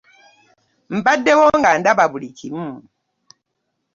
Mbaddewo nga ndaba buli kimu.